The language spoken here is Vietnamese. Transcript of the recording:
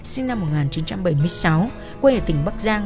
sinh năm một nghìn chín trăm bảy mươi sáu quê ở tỉnh bắc giang